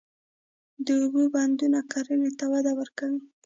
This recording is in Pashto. د اوبو بندونه کرنې ته وده ورکوي.